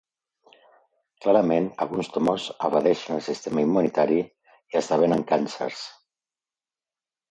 Clarament, alguns tumors evadeixen el sistema immunitari i esdevenen càncers.